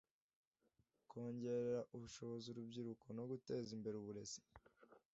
kongerera ubushobozi urubyiruko no guteza imbere uburezi